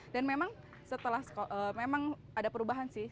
dan memang ada perubahan sih